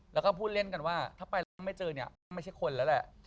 แล้วก็พูดเล่นกันว่าถ้าไปแล้วก็ไม่เจอเนี่ยไม่ใช่คนแล้วแหละ